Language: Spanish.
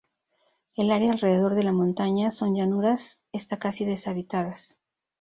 El área alrededor de la montaña son llanuras está casi deshabitadas.